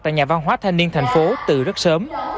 tại nhà văn hóa thanh niên thành phố từ rất sớm